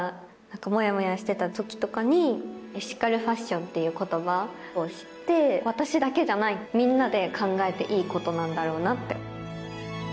モヤモヤしてた時とかにエシカルファッションっていう言葉を知って私だけじゃないみんなで考えていいことなんだろうなって。